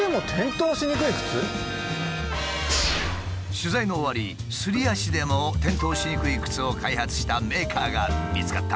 取材の終わりすり足でも転倒しにくい靴を開発したメーカーが見つかった。